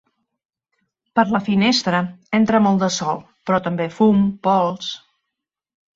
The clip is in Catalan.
Per la finestra entra molt de sol, però també fum, pols...